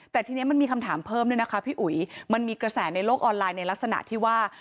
แต่ทีนี้มันมีคำถามเพิ่มด้วยนะคะพี่อุ๋ยมันมีกระแสในโลกออนไลน์ในลักษณะที่ว่า